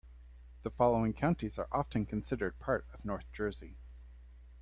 The following counties are often considered part of North Jersey.